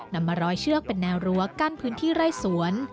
นำมาร้อยเชือกเป็นแนวรั้วกั้นพื้นที่ไร่สวน